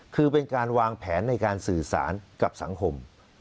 คือเป็นการวางแผนในการสื่อสารกับสังคม